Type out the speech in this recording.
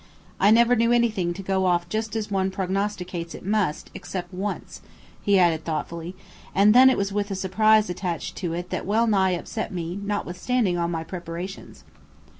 I never knew anything to go off just as one prognosticates it must, except once," he added thoughtfully, "and then it was with a surprise attached to it that well nigh upset me notwithstanding all my preparations."